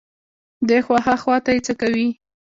دې خوا ها خوا ته يې څکوي.